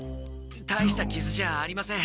大したキズじゃありません。